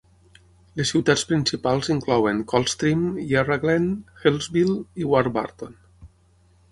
Les ciutats principals inclouen Coldstream, Yarra Glen, Healesville i Warburton.